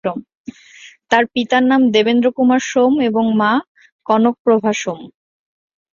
তার পিতার নাম: দেবেন্দ্র কুমার সোম এবং মা: কনক প্রভা সোম।